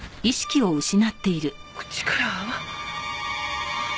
口から泡？